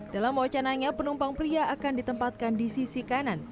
dalam wacananya penumpang pria akan ditempatkan di sisi kanan